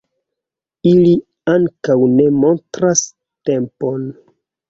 Ili ankaŭ ne montras tempon.